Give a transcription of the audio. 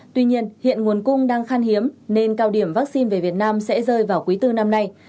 tuy nhiên hiện nguồn cung đang khan hiếm nên cao điểm vaccine về việt nam sẽ rơi vào quý bốn năm nay